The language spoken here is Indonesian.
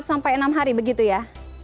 sampai enam hari begitu ya